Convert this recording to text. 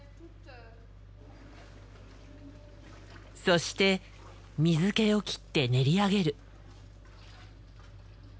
そして水けを切って練り上げる。